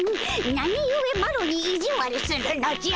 なにゆえマロにいじわるするのじゃ。